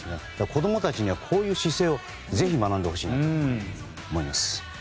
子供たちには、こういう姿勢をぜひ学んでほしいと思います。